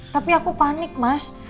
tapi aku panik mas